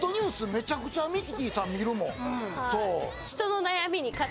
めちゃくちゃミキティさん見るもん。